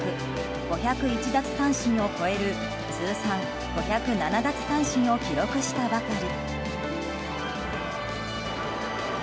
５０１脱三振を超える通算５０７奪三振を記録したばかり。